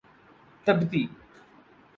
تبتی